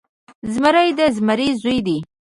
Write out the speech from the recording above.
زمری د زمري زوی دی.